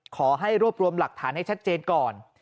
ขอให้รวบรวมหลักฐานให้ชัดเจนก่อน